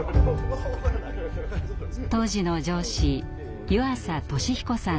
当時の上司湯浅利彦さんです。